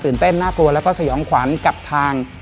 เต้นน่ากลัวแล้วก็สยองขวัญกับทาง